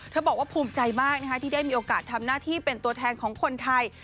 บอกว่าภูมิใจมากที่ได้มีโอกาสทำหน้าที่เป็นตัวแทนของคนไทย